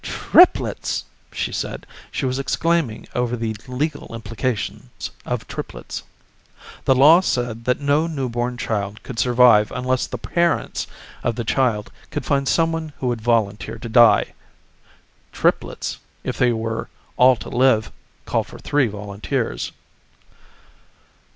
"Triplets!" she said. She was exclaiming over the legal implications of triplets. The law said that no newborn child could survive unless the parents of the child could find someone who would volunteer to die. Triplets, if they were all to live, called for three volunteers.